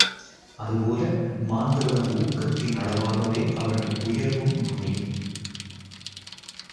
அதுபோல மாந்தர்தம் ஊக்கத்தின் அளவாகவே அவர்கள் உயர்வும் அமையும்.